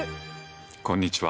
こんにちは。